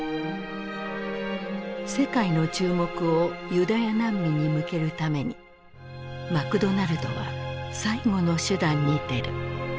世界の注目をユダヤ難民に向けるためにマクドナルドは最後の手段に出る。